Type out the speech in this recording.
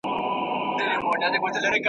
زه به په چیغو چیغو زړه درسره وژړوم !.